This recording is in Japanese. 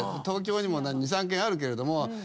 東京にも２３軒あるけれども。